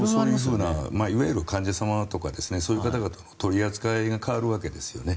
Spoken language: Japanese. いわゆる患者さんとかそういう方々の取り扱いが変わるわけですね。